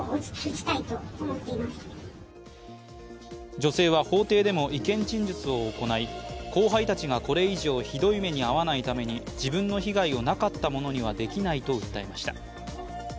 女性は、法廷でも意見陳述を行い後輩たちがこれ以上ひどい目に遭わないために自分の被害をなかったものにはできないと訴えました。